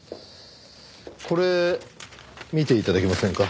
これ見て頂けませんか？